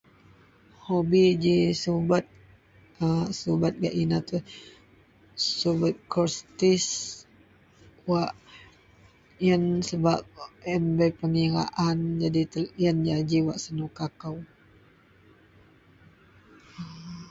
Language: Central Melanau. Hobi ji subet a, subet gak inou tou subet kostis. Wak yen sebak, wak yen bei pengiraan jadi telou, yenlah ji wak senuka kou